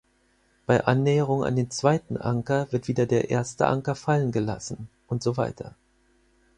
Bei Annäherung an den zweiten Anker wird wieder der erste Anker fallengelassen usw.